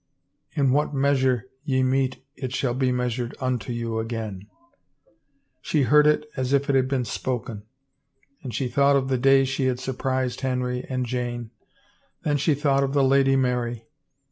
In what measure ye mete it shall be measured unto you again. ... She heard it as if it had been spoken — and she thought of the day she had surprised Henry and Jane — then she thought of the Lady Mary.